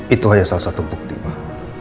itu hanya salah satu bukti mah